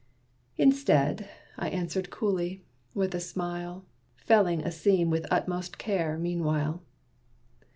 Instead, I answered coolly, with a smile, Felling a seam with utmost care, meanwhile.